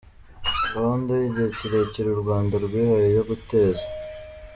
gahunda y’igihe kirekire u Rwanda rwihaye yo guteza